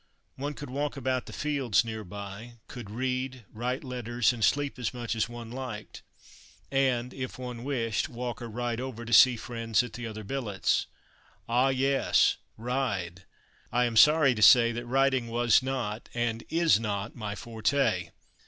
One could walk about the fields near by; could read, write letters, and sleep as much as one liked. And if one wished, walk or ride over to see friends at the other billets. Ah, yes! ride I am sorry to say that riding was not, and is not, my forte.